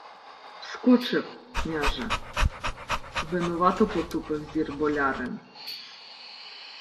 — Вскочив, княже, — винувато потупив зір болярин.